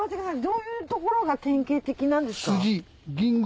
どういうところが典型的なんですか？